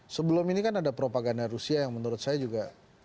sebelum ini kan ada propaganda rusia yang menurut saya juga